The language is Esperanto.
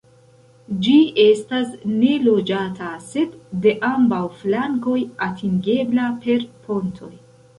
Ĝi estas neloĝata, sed de ambaŭ flankoj atingebla per pontoj.